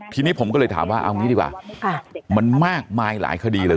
ทีนี้ผมก็เลยถามว่าเอางี้ดีกว่ามันมากมายหลายคดีเลย